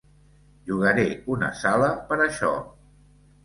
Llogaré una sala per això.